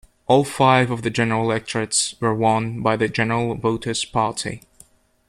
All five of the "general electorates" were won by the General Voters Party.